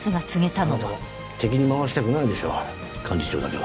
・あなたも敵に回したくないでしょ幹事長だけは。